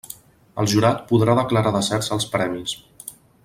El jurat podrà declarar deserts els premis.